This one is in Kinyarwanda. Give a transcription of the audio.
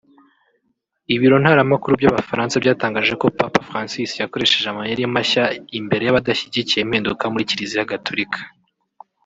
Ibiro ntaramakuru by’Abafaransa byatangaje ko Papa Francis yakoresheje amayeri mashya imbere y’abadashyigikiye impinduka muri Kiliziya Gatulika